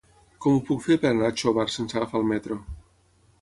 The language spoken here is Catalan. Com ho puc fer per anar a Xóvar sense agafar el metro?